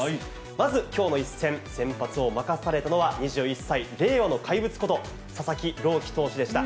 まずきょうの一戦、先発を任されたのは、２１歳、令和の怪物こと佐々木朗希投手でした。